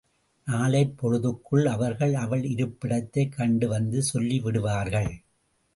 நாளைப் பொழுதுக்குள் அவர்கள் அவள் இருப்பிடத்தைக் கண்டுவந்து சொல்லி விடுவார்கள்.